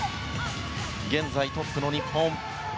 現在トップの日本。